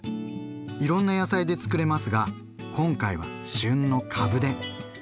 いろんな野菜でつくれますが今回は旬の「かぶ」で。